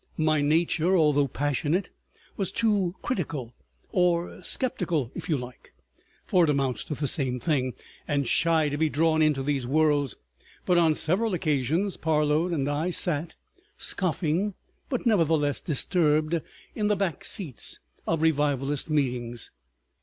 My nature, although passionate, was too critical (or sceptical if you like, for it amounts to the same thing) and shy to be drawn into these whirls; but on several occasions Parload and I sat, scoffing, but nevertheless disturbed, in the back seats of revivalist meetings.